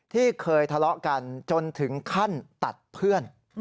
ที่เคยทะเลาะกันจนถึงขั้นตัดเพื่อน